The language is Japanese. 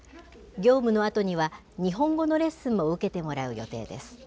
業務のあとには、日本語のレッスンも受けてもらう予定です。